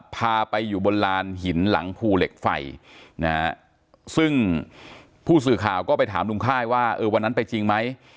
พาไปอยู่บนลานหินหลังภูเหล็กไฟนะฮะซึ่งผู้สื่อข่าวก็ไปถามลุงค่ายว่าเออวันนั้นไปจริงไหม